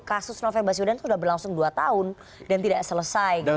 kasus novel basi ordan itu sudah berlangsung dua tahun dan tidak selesai